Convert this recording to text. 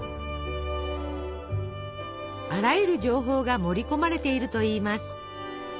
あらゆる情報が盛り込まれているといいます。